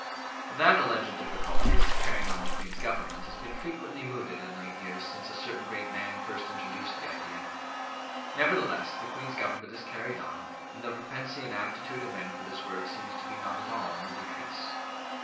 That alleged difficulty as to carrying on the Queen's government has been frequently mooted in late years since a certain great man first introduced the idea. Nevertheless, the Queen's government is carried on, and the propensity and aptitude of men for this work seems to be not at all on the decrease.